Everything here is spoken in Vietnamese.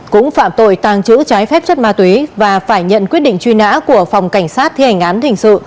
cũng phạm tội tàng trữ trái phép chất ma túy và phải nhận quyết định truy nã của phòng cảnh sát thi hành án hình sự